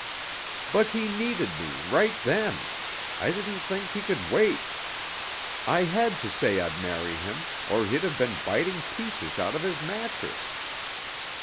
"But he needed me, right then. I didn't think he could wait. I had to say I'd marry him, or he'd have been biting pieces out of his mattress."